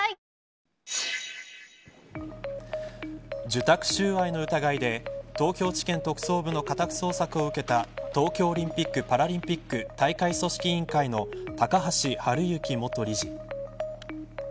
受託収賄の疑いで東京地検特捜部の家宅捜索を受けた東京オリンピック・パラリンピック大会組織委員会の高橋治之元理事。